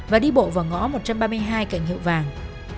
và đi bộ vào ngõ một trăm ba mươi hai cảnh hiệu vàng